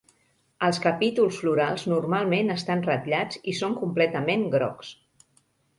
Els capítols florals normalment estan ratllats i són completament grocs.